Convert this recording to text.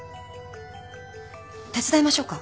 手伝いましょうか？